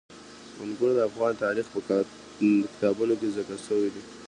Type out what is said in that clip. انګور د افغان تاریخ په کتابونو کې ذکر شوی دي.